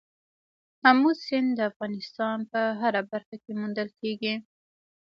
آمو سیند د افغانستان په هره برخه کې موندل کېږي.